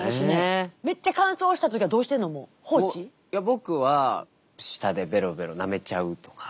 僕は舌でベロベロなめちゃうとか。